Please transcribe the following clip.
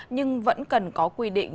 nhưng vẫn cần có quy định